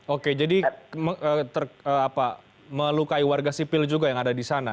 oke jadi melukai warga sipil juga yang ada di sana